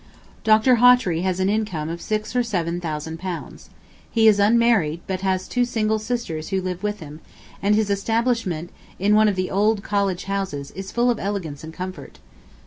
Dr. Hawtrey has an income of six or seven thousand pounds. He is unmarried, but has two single sisters who live with him, and his establishment in one of the old college houses is full of elegance and comfort.